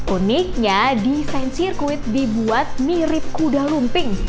uniknya desain sirkuit dibuat mirip kuda lumping